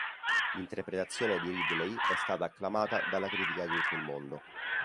L'interpretazione di Ridley è stata acclamata dalla critica di tutto il mondo.